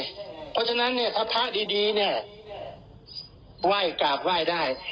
เพราะฉะนั้นเนี่ยถ้าพระดีเนี่ยไหว้กราบไหว้ได้